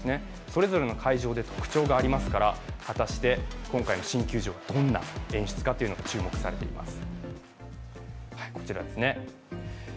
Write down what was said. それぞれの会場で、特徴がありますから、果たして、今回の新球場はどんな演出か注目されています。